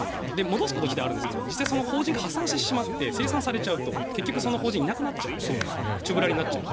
戻すこと自体はあるけど結局その法人が破産してしまって清算されちゃうと結局その法人はいなくなっちゃうので中ぶらりんになっちゃう。